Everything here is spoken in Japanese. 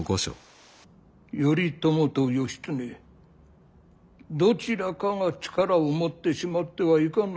頼朝と義経どちらかが力を持ってしまってはいかんのだ。